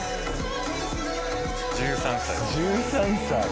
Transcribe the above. １３歳。